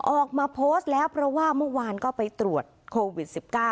ออกมาโพสต์แล้วเพราะว่าเมื่อวานก็ไปตรวจโควิด๑๙